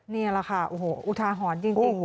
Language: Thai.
นี่แหละค่ะอุทาหอนจริง